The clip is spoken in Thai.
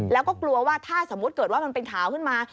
แล้วก็กลัวว่าถ้าสมมุติเกิดว่ามันเป็นข่าวขึ้นมา